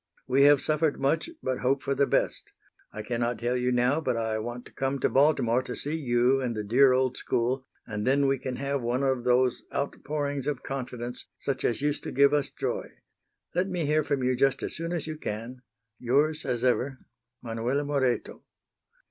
We have suffered much, but hope for the best. I cannot tell you now, but I want to come to Baltimore to see you and the dear old school, and then we can have one of those outpourings of confidence such as used to give us joy. Let me hear from you just as soon as you can. Yours as ever, MANUELA MORETO.